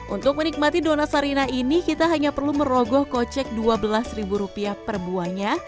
untuk menikmati dona sarina ini kita hanya perlu merogoh kocek dua belas rupiah per buahnya